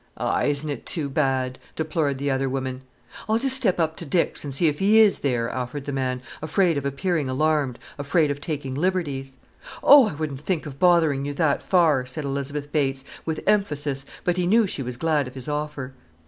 "Ay, isn't it too bad!" deplored the other woman. "I'll just step up to Dick's an' see if 'e is theer," offered the man, afraid of appearing alarmed, afraid of taking liberties. "Oh, I wouldn't think of bothering you that far," said Elizabeth Bates, with emphasis, but he knew she was glad of his offer.